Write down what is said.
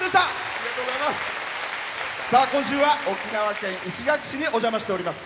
今週は沖縄県石垣市にお邪魔しております。